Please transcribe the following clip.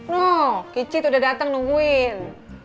nuh kicit udah dateng nungguin